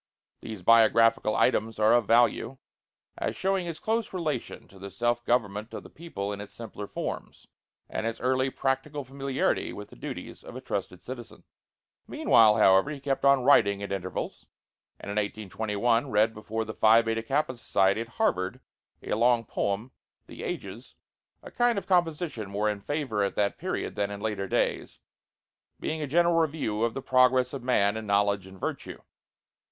These biographical items are of value, as showing his close relation to the self government of the people in its simpler forms, and his early practical familiarity with the duties of a trusted citizen. Meanwhile, however, he kept on writing at intervals, and in 1821 read before the Phi Beta Kappa Society at Harvard a long poem, 'The Ages,' a kind of composition more in favor at that period than in later days, being a general review of the progress of man in knowledge and virtue.